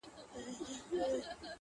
ښار ته څېرمه یې لار سیخه پر بیابان سوه -